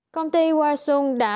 công ty waisung đã